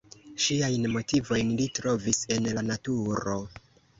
Siajn motivojn li trovis en la naturo.